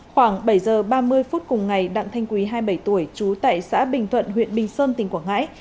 khoảng bảy giờ ba mươi phút cùng ngày đặng thanh quý hai mươi bảy tuổi trú tại xã bình thuận huyện bình sơn tỉnh quảng ngãi